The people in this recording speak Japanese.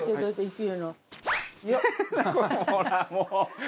ほらもう。